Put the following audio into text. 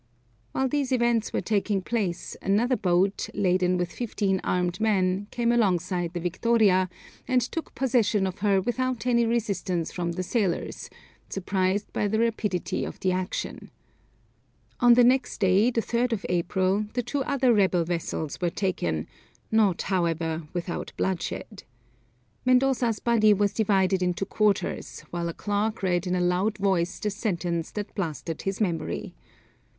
While these events were taking place, another boat, laden with fifteen armed men, came alongside the Victoria, and took possession of her without any resistance from the sailors, surprised by the rapidity of the action. On the next day, the 3rd of April, the two other rebel vessels were taken, not however without bloodshed. Mendoza's body was divided into quarters, while a clerk read in a loud voice the sentence that blasted his memory.